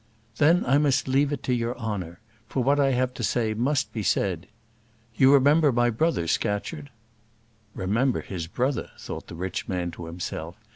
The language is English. "Then I must leave it to your honour; for what I have to say must be said. You remember my brother, Scatcherd?" Remember his brother! thought the rich man to himself.